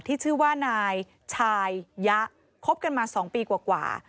ที่ชื่อว่านายชายยะคบกันมา๒ปีกว่า